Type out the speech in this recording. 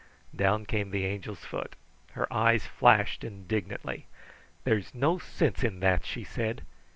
Down came the Angel's foot. Her eyes flashed indignantly. "There's no sense in that," she said.